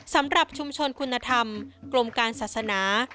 สำหรับชุมชนคุณธรรมกรมการศาสนา